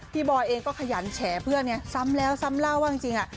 พี่บอยเองก็ขยันแฉเพื่อนเนี่ยซ้ำแล้วซ้ำเล่าบ้างจริง